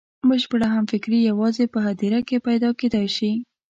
بشپړه همفکري یوازې په هدیره کې پیدا کېدای شي.